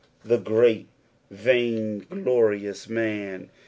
Tbe grent VHinglorious mas.